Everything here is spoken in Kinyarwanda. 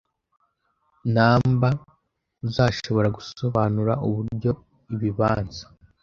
numberUzashobora gusobanura uburyo ibibanza